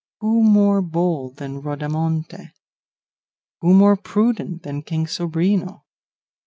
Who more bold than Rodamonte? Who more prudent than King Sobrino?